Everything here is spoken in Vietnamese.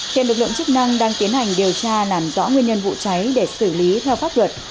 hiện lực lượng chức năng đang tiến hành điều tra làm rõ nguyên nhân vụ cháy để xử lý theo pháp luật